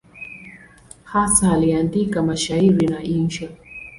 Hasa aliandika mashairi na insha.